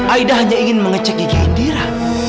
aida hanya ingin mengecek gigi indira